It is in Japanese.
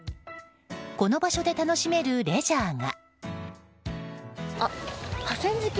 この場所で楽しめるレジャーが。